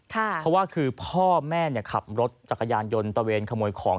เพราะว่าคือพ่อแม่ขับรถจักรยานยนต์ตะเวนขโมยของ